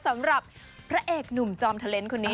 สำหรับพระเอกหนุ่มจอมเทอร์เลนส์คนนี้